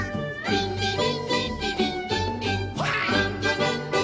「リンリリンリンリリンリンリン」